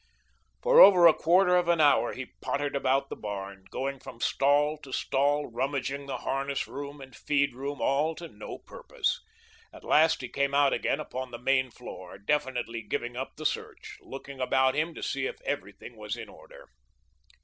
For over a quarter of an hour he pottered about the barn, going from stall to stall, rummaging the harness room and feed room, all to no purpose. At last he came out again upon the main floor, definitely giving up the search, looking about him to see if everything was in order.